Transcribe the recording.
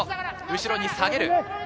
後ろに下げる。